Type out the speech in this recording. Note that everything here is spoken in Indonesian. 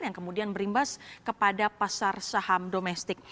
yang kemudian berimbas kepada pasar saham domestik